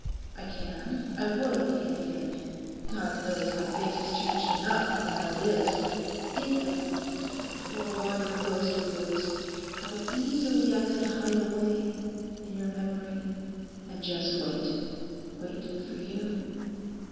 I can, I would begin again. God knows my face has changed enough even as it is. Think of me as that poor wandering ghost of yours; how easily I could hide away—in your memory; and just wait, wait for you.